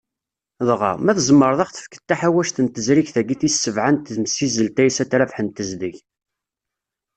Dɣa, ma tzemmreḍ ad aɣ-tefkeḍ taḥawact n tezrigt-agi tis sebɛa n temsizzelt Aysat Rabaḥ n tezdeg?